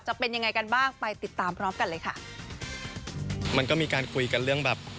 จะเป็นยังไงกันบ้างไปติดตามพร้อมกันเลยค่ะมันก็มีการคุยกันเรื่องแบบ